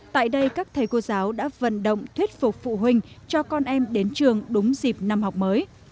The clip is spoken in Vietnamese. tại đây các thầy cô giáo đã vận động thuyết phục phụ huynh cho con em đến trường đúng dịp năm học mới